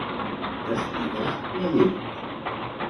Deslligar la llengua.